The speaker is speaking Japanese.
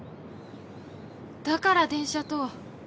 だから電車と。